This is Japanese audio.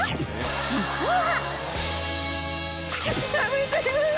［実は］